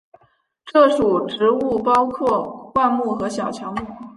这属植物包括灌木和小乔木。